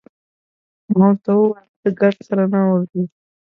ما ورته وویل: ته ګرد سره نه ورځې؟